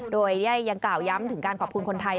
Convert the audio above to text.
โดยยังกล่าวย้ำถึงการขอบคุณคนไทย